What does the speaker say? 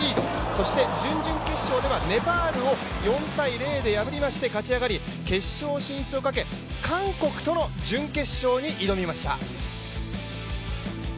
そして準々決勝ではネパールを４−０で破って勝ち上がり決勝進出をかけ韓国との準決勝に挑みました。